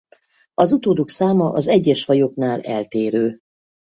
Az utódok száma az egyes fajoknál eltérő.